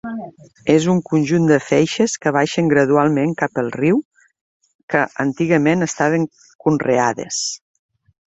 És un conjunt de feixes que baixen gradualment cap al riu, que, antigament, estaven conreades.